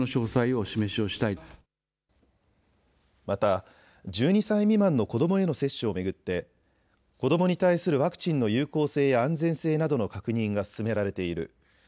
また１２歳未満の子どもへの接種を巡って子どもに対するワクチンの有効性や安全性などの確認が進められている。